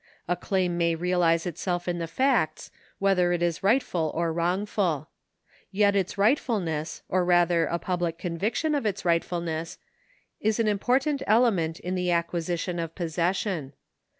A claim may realise itself in the facts whether it is rightful or wrongful. Yet its rightfulness, or rather a public conviction of its rightfulness, is an impor tant element in the acquisition of possession.